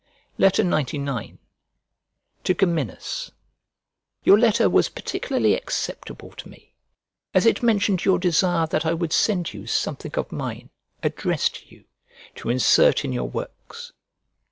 XCIX To GEMINUS YOUR letter was particularly acceptable to me, as it mentioned your desire that I would send you something of mine, addressed to you, to insert in your works.